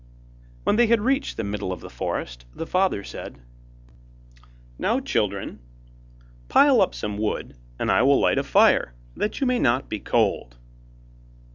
When they had reached the middle of the forest, the father said: 'Now, children, pile up some wood, and I will light a fire that you may not be cold.